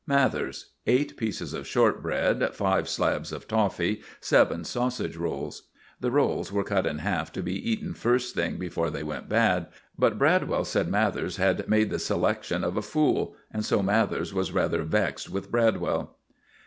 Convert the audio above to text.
MATHERS. Eight pieces of shortbread, five slabs of toffee, seven sausage rolls. (The rolls were cut in half to be eaten first thing before they went bad. But Bradwell said Mathers had made the selection of a fool, and so Mathers was rather vexed with Bradwell.)